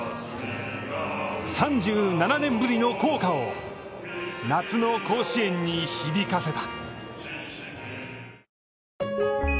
３７年ぶりの校歌を夏の甲子園に響かせた。